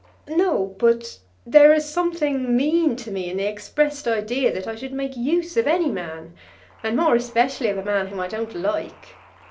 "No; but there is something mean to me in the expressed idea that I should make use of any man, and more especially of a man whom I don't like."